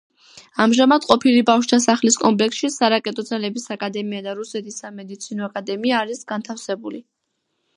ამჟამად ყოფილი ბავშვთა სახლის კომპლექსში სარაკეტო ძალების აკადემია და რუსეთის სამედიცინო აკადემია არის განთავსებული.